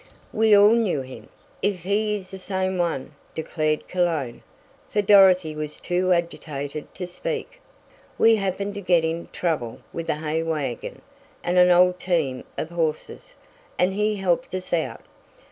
"We all knew him if he is the same one," declared Cologne, for Dorothy was too agitated to speak. "We happened to get in trouble with a hay wagon, and an old team of horses, and he helped us out.